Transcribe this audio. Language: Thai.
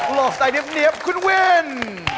โหลดสไตล์เนี๊ยบคุณวิน